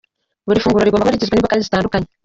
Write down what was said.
Buri funguro rigomba kuba rigizwe n’imboga zitandukanye.